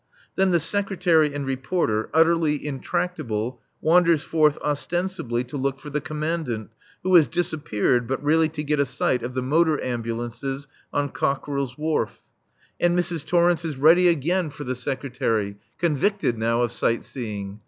Then the Secretary and Reporter, utterly intractable, wanders forth ostensibly to look for the Commandant, who has disappeared, but really to get a sight of the motor ambulances on Cockerill's Wharf. And Mrs. Torrence is ready again for the Secretary, convicted now of sight seeing.